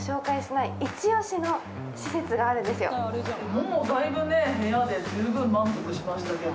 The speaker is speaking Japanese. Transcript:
もうだいぶ、部屋で満足しましたけど。